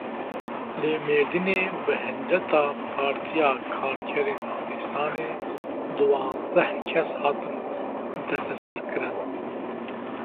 Li Mêrdînê bi hinceta Partiya Karkerên Kurdistanê duwazdeh kes hatin desteserkirin.